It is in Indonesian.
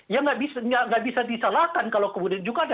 ya nggak bisa disalahkan kalau kemudian juga ada